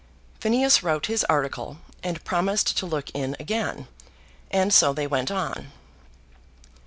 Phineas wrote his article and promised to look in again, and so they went on.